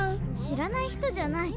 知らない人じゃない。